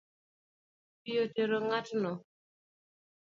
Pi otero ng’atno